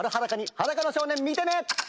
『裸の少年』見てね！